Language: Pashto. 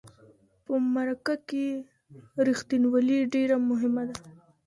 په مرکه کې رښتینولي ډیره مهمه ده.